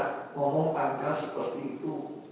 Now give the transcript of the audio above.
ngomong angka seperti itu